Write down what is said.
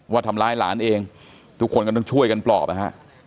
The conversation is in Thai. ว่าทำร้ายหลานเองทุกคนก็ต้องช่วยกันปลอบนะฮะ